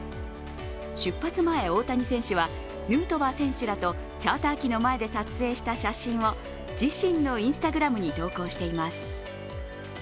出発前、大谷選手はヌートバー選手らとチャーター機の前で撮影した写真を自身のＩｎｓｔａｇｒａｍに投稿しています。